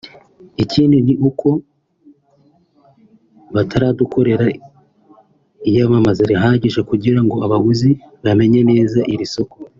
Ikindi ni uko bataradukorera iyamamaza rihagije kugirango abaguzi bamenye neza iri soko